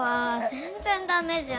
全然だめじゃん。